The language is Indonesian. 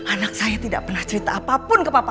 anak saya tidak pernah cerita apapun ke papan